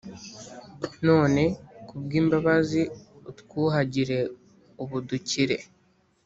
None kubwimbabazi utwuhagire ubu dukire